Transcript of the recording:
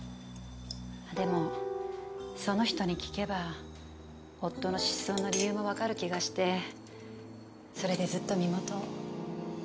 でもその人に聞けば夫の失踪の理由もわかる気がしてそれでずっと身元を。